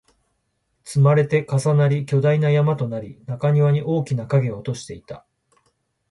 積まれて、重なり、巨大な山となり、中庭に大きな影を落としていた